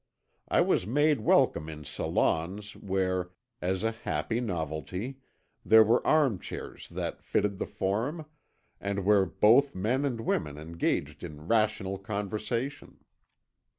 I was made welcome in salons where, as a happy novelty, there were arm chairs that fitted the form, and where both men and women engaged in rational conversation.